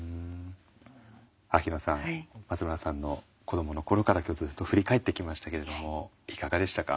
秋野さん松村さんの子どもの頃から今日ずっと振り返ってきましたけれどもいかがでしたか？